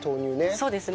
そうですね。